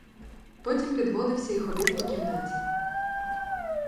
Потім підводився і ходив по кімнаті.